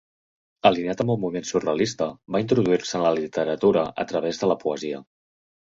Alineat amb el moviment surrealista va introduir-se en la literatura a través de la poesia.